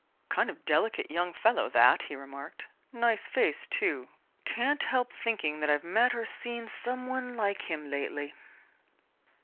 "Kind of delicate young fellow, that," he remarked. "Nice face, too. Can't help thinking that I've met or seen some one like him lately."